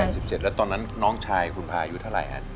คุณแม่๘๗และตอนนั้นน้องชายคุณภาคอยู่เท่าไหร่